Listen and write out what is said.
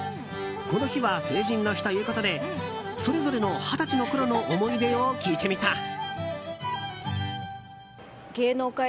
この日は成人の日ということでそれぞれの二十歳のころの思い出を聞いてみた。